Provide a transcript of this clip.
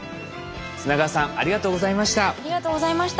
砂川さんありがとうございました。